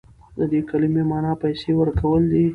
د دې کلمې معنی پیسې ورکول دي.